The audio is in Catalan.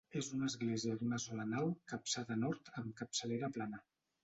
És una església d'una sola nau, capçada a nord amb capçalera plana.